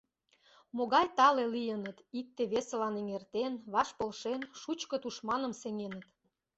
Могай тале лийыныт, икте-весылан эҥертен, ваш полшен, шучко тушманым сеҥеныт.